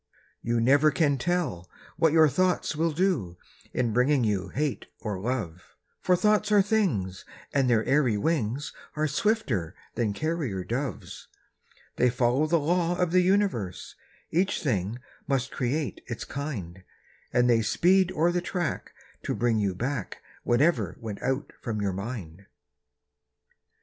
You never can tell what your thoughts will do, In bringing you hate or love; For thoughts are things, and their airy wings Are swifter than carrier doves. They follow the law of the universe— Each thing must create its kind; And they speed o'er the track to bring you back Whatever went out from your mind.